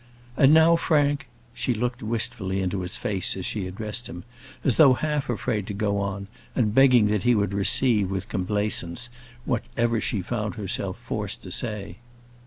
"And now, Frank " She looked wistfully into his face as she addressed him, as though half afraid to go on, and begging that he would receive with complaisance whatever she found herself forced to say.